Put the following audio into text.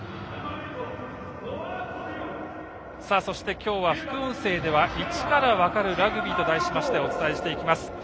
そして、今日は副音声では「イチからわかるラグビー」と題しまして、お伝えしていきます。